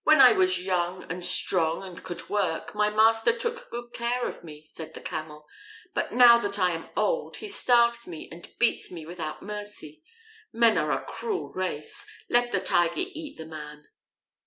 "When I was young and strong and could work, my master took good care of me," said the Camel; "but now that I am old, he starves me and beats me without mercy. Men are a cruel race. Let the Tiger eat the man."